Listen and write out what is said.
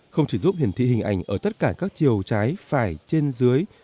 không chỉ giúp hiển thị hình ảnh ở tất cả các chiều trái phải trên dưới